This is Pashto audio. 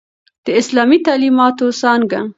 د اسلامی تعليماتو څانګه